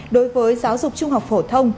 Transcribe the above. đối với giáo dục trung học phổ thông